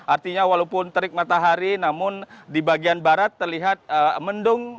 artinya walaupun terik matahari namun di bagian barat terlihat mendung